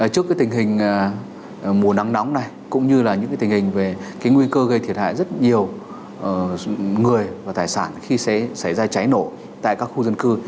trước cái tình hình mùa nắng nóng này cũng như là những cái tình hình về cái nguy cơ gây thiệt hại rất nhiều người và tài sản khi sẽ xảy ra cháy nổ tại các khu dân cư